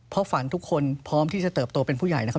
เพราะฝันทุกคนพร้อมที่จะเติบโตเป็นผู้ใหญ่นะครับ